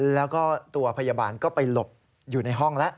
แล้วก็ตัวพยาบาลก็ไปหลบอยู่ในห้องแล้ว